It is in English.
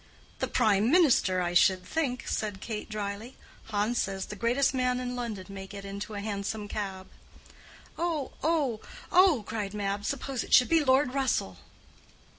"The Prime Minister, I should think," said Kate dryly. "Hans says the greatest man in London may get into a hansom cab." "Oh, oh, oh!" cried Mab. "Suppose it should be Lord Russell!"